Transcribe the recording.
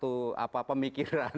tidak satu apa pemikiran kedepannya